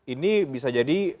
ini bisa jadi